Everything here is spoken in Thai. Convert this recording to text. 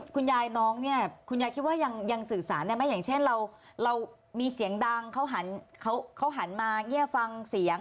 คุณยายน้องเนี่ยคุณยายคิดว่ายังสื่อสารได้ไหมอย่างเช่นเรามีเสียงดังเขาหันมาแง่ฟังเสียง